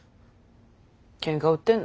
ケンカ売ってんの？